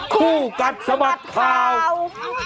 คู่กัดสมัครข่าว